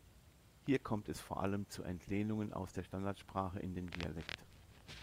Hier kommt es vor allem zu Entlehnungen aus der Standardsprache in den Dialekt.